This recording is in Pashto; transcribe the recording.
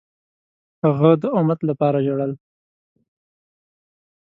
هغه د امت لپاره ژړل.